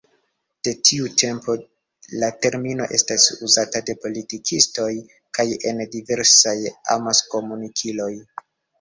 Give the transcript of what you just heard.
De tiu tempo la termino estas uzata de politikistoj kaj en diversaj amaskomunikiloj.